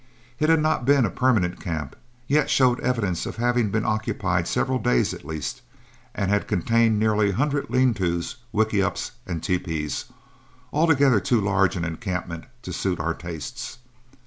It had not been a permanent camp, yet showed evidence of having been occupied several days at least, and had contained nearly a hundred lean tos, wickyups, and tepees altogether too large an encampment to suit our tastes.